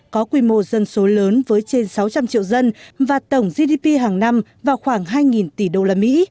có quy mô dân số lớn với trên sáu trăm linh triệu dân và tổng gdp hàng năm vào khoảng hai tỷ usd